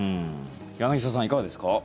柳澤さん、いかがですか。